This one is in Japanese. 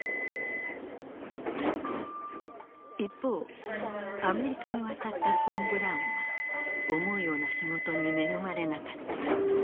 一方アメリカに渡ったフォン・ブラウンは思うような仕事に恵まれなかった。